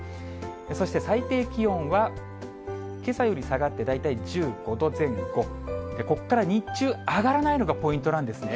そして最低気温はけさより下がって大体１５度前後、ここから日中、上がらないのがポイントなんですね。